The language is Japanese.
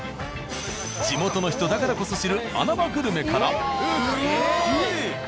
地元の人だからこそ知る穴場グルメから。